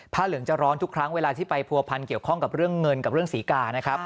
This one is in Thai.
เหลืองจะร้อนทุกครั้งเวลาที่ไปผัวพันเกี่ยวข้องกับเรื่องเงินกับเรื่องศรีกานะครับ